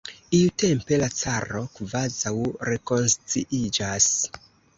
Iutempe la caro kvazaŭ rekonsciiĝas.